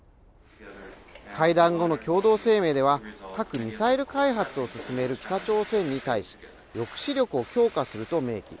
会談後の共同声明では核・ミサイル開発を進める北朝鮮に対し、抑止力を強化すると明記。